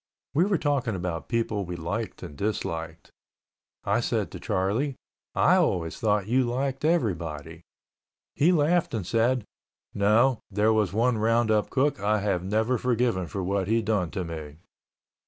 We were talking about people we liked and disliked. I said to Charlie, "I always thought you liked everybody." He laughed and said, "No. There was one roundup cook I have never forgiven for what he done to me."